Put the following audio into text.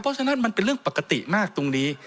เพราะฉะนั้นมันเป็นเรื่องปกติมากตรงนี้